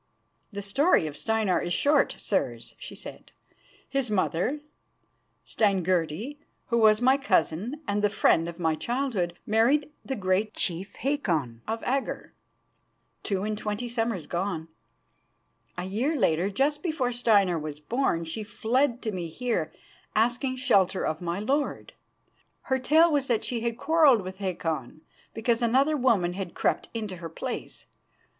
"The story of Steinar is short, sirs," she said. "His mother, Steingerdi, who was my cousin and the friend of my childhood, married the great chief Hakon, of Agger, two and twenty summers gone. A year later, just before Steinar was born, she fled to me here, asking shelter of my lord. Her tale was that she had quarrelled with Hakon because another woman had crept into her place.